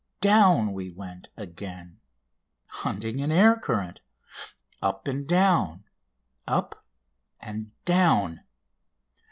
Down we went again, hunting an air current. Up and down, up and down!